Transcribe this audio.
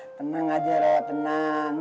nih jangan aja raya penang